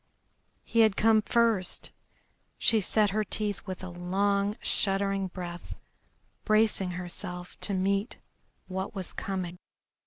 He had come first! She set her teeth with a long, shuddering breath, bracing herself to meet what was coming.